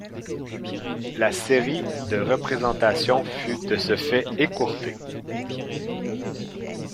La série de représentations fut de ce fait écourtée.